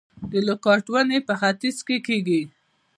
د لوکاټ ونې په ختیځ کې کیږي؟